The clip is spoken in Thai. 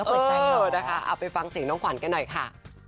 เออเอาไปฟังเสียงน้องขวัญกันหน่อยค่ะ